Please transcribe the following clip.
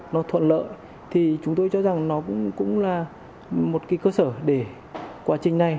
nó thuận lợi thì chúng tôi cho rằng nó cũng là một cái cơ sở để quá trình này